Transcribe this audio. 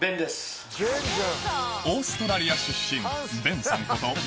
オーストラリア出身ベンさん